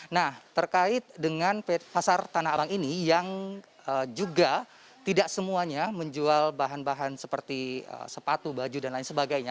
nah terkait dengan pasar tanah abang ini yang juga tidak semuanya menjual bahan bahan seperti sepatu baju dan lain sebagainya